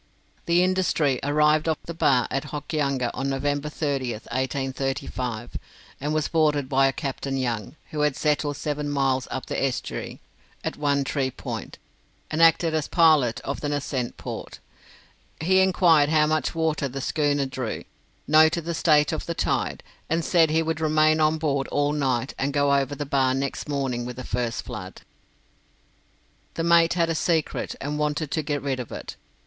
The 'Industry' arrived off the bar at Hokianga on November 30th, 1835, and was boarded by a Captain Young, who had settled seven miles up the estuary, at One Tree Point, and acted as pilot of the nascent port. He inquired how much water the schooner drew, noted the state of the tide, and said he would remain on board all night, and go over the bar next morning with the first flood. The mate had a secret and wanted to get rid of it.